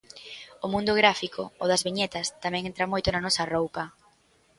O mundo gráfico, o das viñetas, tamén entra moito na nosa roupa.